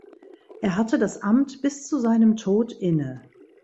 Er hatte das Amt bis zu seinem Tod inne.